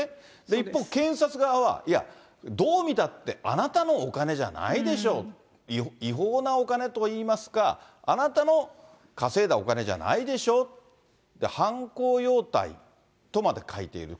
一方、検察側は、いや、どう見たって、あなたのお金じゃないでしょう、違法なお金といいますか、あなたの稼いだお金じゃないでしょ、犯行様態とまで書いている。